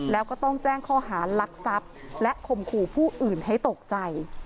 แล้วก็ต้องแจ้งข้อหารักทรัพย์และข่มขู่ผู้อื่นให้ตกใจ